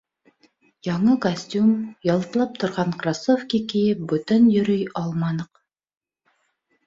Яңы костюм, ялтлап торған кроссовки кейеп бүтән йөрөй алманыҡ.